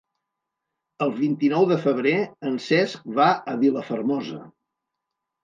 El vint-i-nou de febrer en Cesc va a Vilafermosa.